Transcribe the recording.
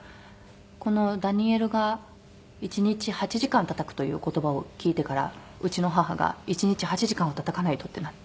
このダニエルが１日８時間たたくという言葉を聞いてからうちの母が１日８時間はたたかないとってなって。